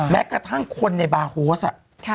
แม้กระทั่งคนในบาร์โฮส